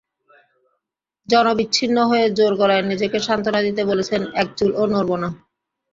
জনবিচ্ছিন্ন হয়ে জোর গলায় নিজেকে সান্ত্বনা দিতে বলছেন, একচুলও নড়ব না।